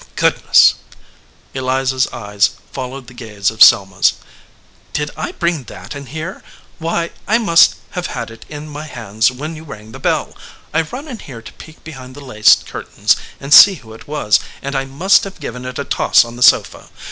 Good ness!" Eliza s eyes followed the gaze of Selma s did I bring that in here? Why, I must have had it in my hands when you rang the bell. I run in here to peek behind the lace curtains and see who it was, and I must have given it a toss on the sofa.